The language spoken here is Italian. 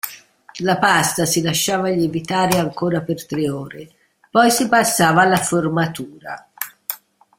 La pasta si lasciava lievitare ancora per tre ore, poi si passava alla formatura.